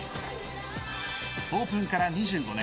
オープンから２５年。